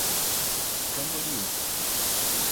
Camboriú